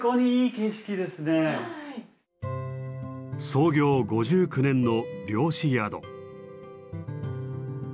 創業５９年の漁師宿。